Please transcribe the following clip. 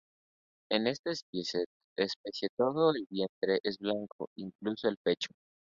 En esta especie todo el vientre es blanco, incluso el pecho.